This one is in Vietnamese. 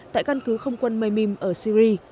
tại căn cứ không quân maymim ở syri